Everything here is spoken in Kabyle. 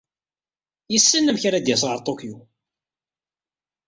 Yessen amek ara d-yas ɣer Tokyo.